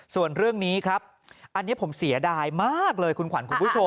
ส่วนเรื่องนี้ครับอันนี้ผมเสียดายมากเลยคุณขวัญคุณผู้ชม